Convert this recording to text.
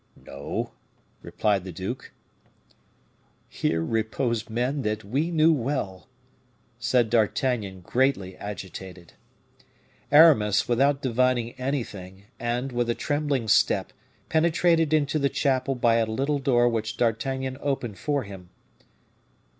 "No," replied the duke. "Here repose men that we knew well," said D'Artagnan, greatly agitated. Aramis, without divining anything, and with a trembling step, penetrated into the chapel by a little door which D'Artagnan opened for him.